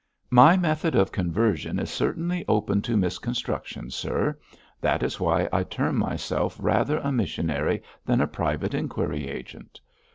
'My method of conversion is certainly open to misconstruction, sir. That is why I term myself rather a missionary than a private inquiry agent.'